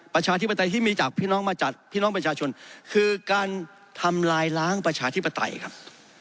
ประชาธิปไตยที่มีจากพี่น้องมาจากพี่น้องประชาชนคือการทำลายล้างประชาธิปไตยครับ